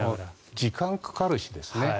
時間がかかるしですね。